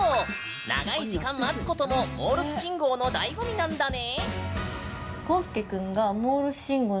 長い時間待つこともモールス信号の醍醐味なんだね。